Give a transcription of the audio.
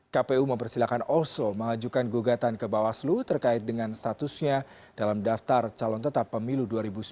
kpu mempersilahkan oso mengajukan gugatan ke bawaslu terkait dengan statusnya dalam daftar calon tetap pemilu dua ribu sembilan belas